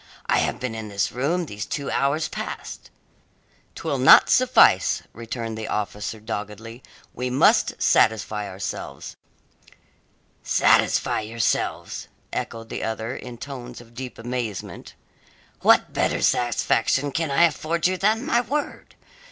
I have been in this room these two hours past." "Twill not suffice," returned the officer doggedly. "We must satisfy ourselves." "Satisfy yourselves?" echoed the other, in tones of deep amazement. "What better satisfaction can I afford you than my word?